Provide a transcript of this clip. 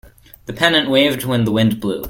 The pennant waved when the wind blew.